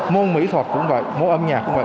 môn mỹ thuật cũng vậy môn âm nhạc cũng vậy